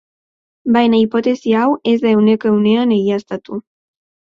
Baina hipotesi hau ez da ehuneko ehunean egiaztatu.